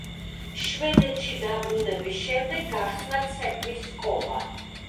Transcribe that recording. შვედეთში დაბრუნების შემდეგ გახსნა ცეკვის სკოლა.